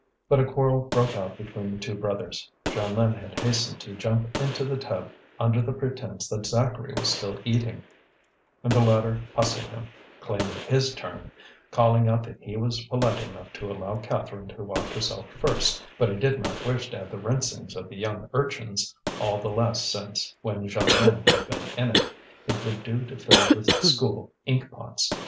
But a quarrel broke out between the two brothers: Jeanlin had hastened to jump into the tub under the pretence that Zacharie was still eating; and the latter hustled him, claiming his turn, and calling out that he was polite enough to allow Catherine to wash herself first, but he did not wish to have the rinsings of the young urchins, all the less since, when Jeanlin had been in, it would do to fill the school ink pots.